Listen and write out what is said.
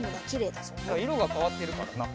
いろがかわってるからな。